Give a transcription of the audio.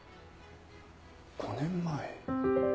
５年前。